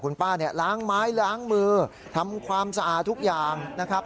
คุณป้าเนี่ยล้างไม้ล้างมือทำความสะอาดทุกอย่างนะครับ